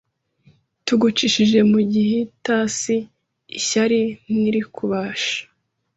Tugucishije mu gihitasi ishyari ntirikubasha